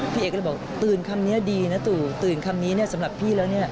พี่เอกก็เลยบอกตื่นคำนี้ดีนะตู่ตื่นคำนี้สำหรับพี่แล้วเนี่ย